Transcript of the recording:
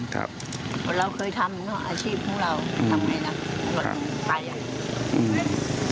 วันเราเคยทำอาชีพพวกเราทำไหนกินกันทะก